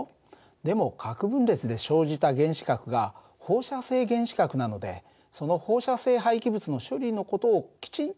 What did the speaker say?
でも核分裂で生じた原子核が放射性原子核なのでその放射性廃棄物の処理の事をきちんと考える必要があるんだ。